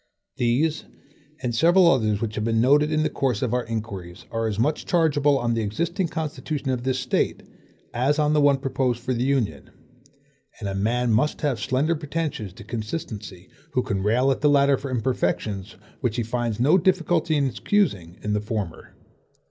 These and several others which have been noted in the course of our inquiries are as much chargeable on the existing constitution of this State, as on the one proposed for the Union; and a man must have slender pretensions to consistency, who can rail at the latter for imperfections which he finds no difficulty in excusing in the former.